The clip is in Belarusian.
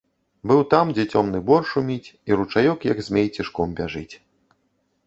Быў там, дзе цёмны бор шуміць і ручаёк, як змей, цішком бяжыць.